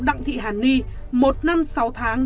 đặng thị hàn ni một năm sáu tháng